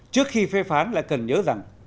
trước khi phê phán lại cần nhớ rằng